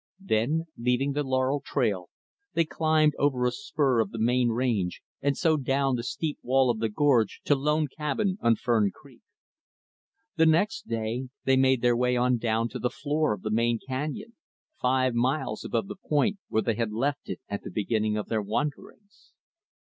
Then leaving the Laurel trail they climbed over a spur of the main range, and so down the steep wall of the gorge to Lone Cabin on Fern Creek. The next day, they made their way on down to the floor of the main canyon five miles above the point where they had left it at the beginning of their wanderings.